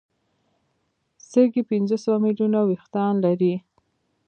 سږي پنځه سوه ملیونه وېښتان لري.